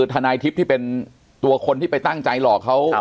ทนายทิพย์ที่เป็นตัวคนที่ไปตั้งใจหลอกเขา